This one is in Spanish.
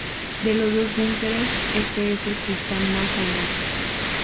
De los dos búnkeres, este es el que está más al norte.